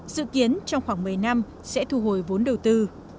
dự kiến trong khoảng một mươi năm sẽ thu hồi vốn đầu tư